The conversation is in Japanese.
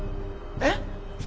えっ？